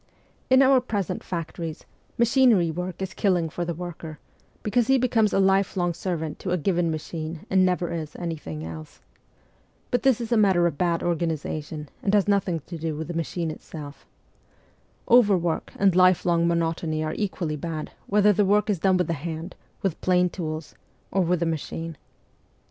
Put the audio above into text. In our present factories, machinery work is killing for the worker, because he becomes a lifelong servant to a given machine and never is any thing else. But this is a matter of bad organization, and has nothing to do with the machine itself. Over THE CORPS OF PAGES 139 work and lifelong monotony are equally bad whether the work is done with the hand, with plain tools, or with a machine.